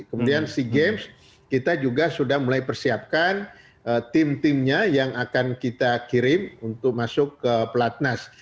kemudian sea games kita juga sudah mulai persiapkan tim timnya yang akan kita kirim untuk masuk ke pelatnas